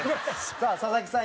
さあ佐々木さん